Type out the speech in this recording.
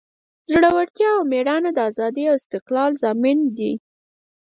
زړورتیا او میړانه د ازادۍ او استقلال ضامن دی.